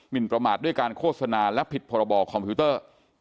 นประมาทด้วยการโฆษณาและผิดพรบคอมพิวเตอร์